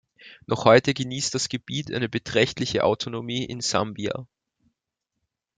Noch heute genießt das Gebiet eine beträchtliche Autonomie in Sambia.